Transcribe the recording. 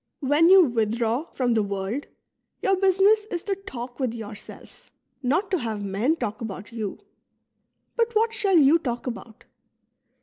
When you withdraw from the world, your business is to talk with yourself, not to have men talk about you. But what shall you talk about